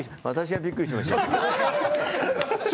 私がびっくりしました。